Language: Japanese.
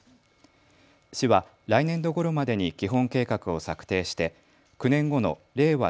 市は来年度ごろまでに基本計画を策定して９年後の令和